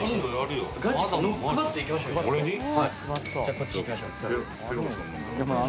こっちいきましょう。